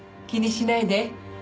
気にしないで。